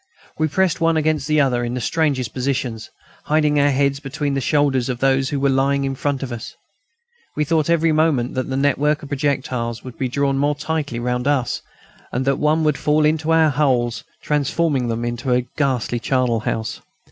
We pressed one against the other in the strangest positions, hiding our heads between the shoulders of those who were lying in front of us; we thought every moment that the network of projectiles would be drawn more tightly round us, and that one would fall into our holes, transforming them into a ghastly charnel house.